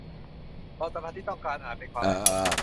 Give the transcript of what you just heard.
ความสัมพันธ์ที่ต้องการอาจเป็นความมั่นคง